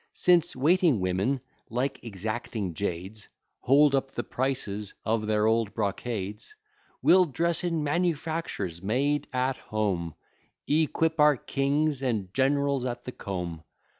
Since waiting women, like exacting jades, Hold up the prices of their old brocades; We'll dress in manufactures made at home; Equip our kings and generals at the Comb.